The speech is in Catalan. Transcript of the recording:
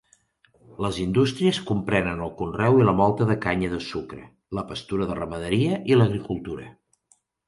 Les indústries comprenen el conreu i la molta de canya de sucre, la pastura de ramaderia i l'agricultura.